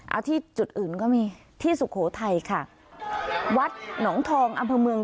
เอาที่จุดอื่นก็มีที่สุโขทัยค่ะวัดหนองทองอำเภอเมือง